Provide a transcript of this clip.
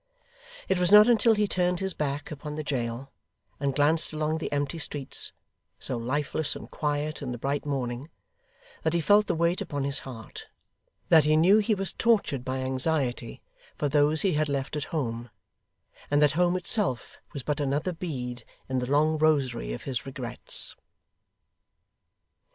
It was not until he turned his back upon the jail, and glanced along the empty streets, so lifeless and quiet in the bright morning, that he felt the weight upon his heart; that he knew he was tortured by anxiety for those he had left at home; and that home itself was but another bead in the long rosary of his regrets.